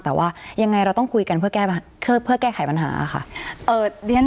แต่ว่ายังไงเราต้องคุยกันเพื่อแก้ไขปัญหาค่ะ